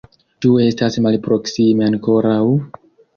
Ĉu estas malproksime ankoraŭ?